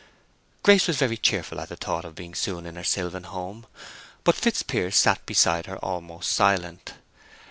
Grace was very cheerful at the thought of being soon in her sylvan home, but Fitzpiers sat beside her almost silent.